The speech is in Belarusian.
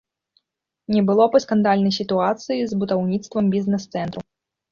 Не было б і скандальнай сітуацыі з будаўніцтвам бізнес-цэнтру.